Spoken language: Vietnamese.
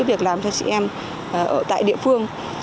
việc làm cho chị em tại địa phương